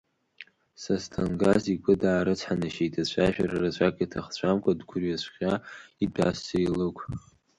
Сасҭангаз игәы даарыцҳанашьеит, ацәажәара рацәак иҭахцәамкәа, дгәырҩацәгьха итәаз Сеилықә.